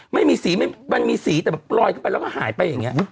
ไม่มีสีมันมีสีแต่แบบลอยขึ้นไปแล้วก็หายไปอย่างนี้